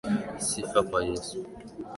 Sifa kwa Yesu,